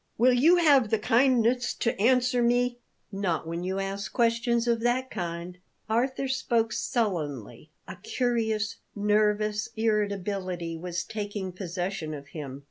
"Will you have the kindness to answer me?" "Not when you ask questions of that kind." Arthur spoke sullenly; a curious, nervous irritability was taking possession of him.